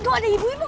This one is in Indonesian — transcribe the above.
itu ada ibu ibu